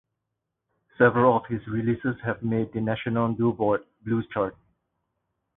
Several of his releases have made the national "Billboard" Blues Chart.